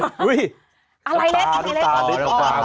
อะไรเล็ดอะไรเล็ด